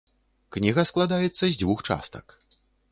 Кніга складаецца з дзвюх частак.